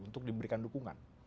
untuk diberikan dukungan